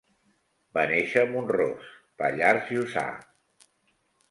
Va néixer a Mont-ros, Pallars Jussà.